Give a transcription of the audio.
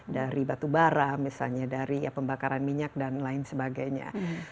dari batu bara misalnya dari pembakaran minyak dan lain sebagainya